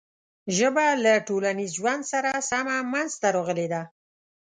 ژبه له ټولنیز ژوند سره سمه منځ ته راغلې ده.